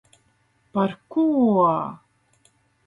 Par ko?